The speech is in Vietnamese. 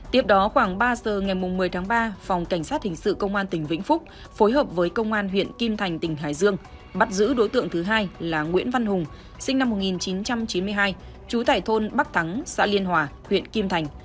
tiếp đó khoảng ba giờ ngày một mươi tháng ba phòng cảnh sát hình sự công an tỉnh vĩnh phúc phối hợp với công an huyện kim thành tỉnh hải dương bắt giữ đối tượng thứ hai là nguyễn văn hùng sinh năm một nghìn chín trăm chín mươi hai trú tại thôn bắc thắng xã liên hòa huyện kim thành